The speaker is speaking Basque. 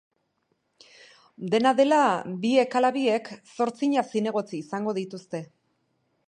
Dena dela, biek ala biek zortzina zinegotzi izango dituzte.